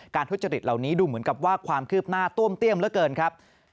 ทุจริตเหล่านี้ดูเหมือนกับว่าความคืบหน้าต้วมเตี้ยมเหลือเกินครับ